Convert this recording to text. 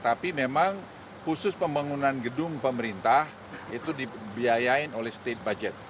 tapi memang khusus pembangunan gedung pemerintah itu dibiayain oleh state budget